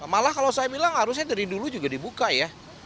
malah kalau saya bilang harusnya dari dulu juga dibuka ya